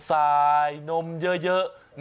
สายนมเยอะเยอะ